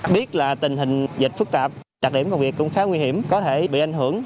biết là tình hình dịch phức tạp đặc điểm công việc cũng khá nguy hiểm có thể bị ảnh hưởng